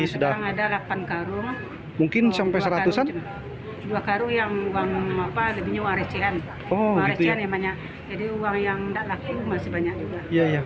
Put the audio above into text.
jadi uang yang tidak laku masih banyak juga